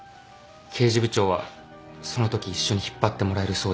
刑事部長はそのとき一緒に引っ張ってもらえるそうです。